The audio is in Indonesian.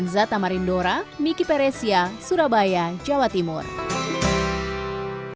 sementara kapasitas muatannya maksimal satu ton